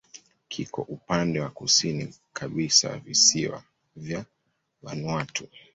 Kiko upande wa kusini kabisa wa visiwa vya Vanuatu.